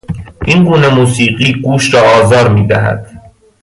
این گونه موسیقی گوش را آزار میدهد.